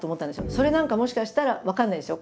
それ何かもしかしたら分かんないですよ